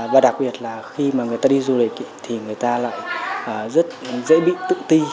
và đặc biệt là khi mà người ta đi du lịch thì người ta lại rất dễ bị tự ti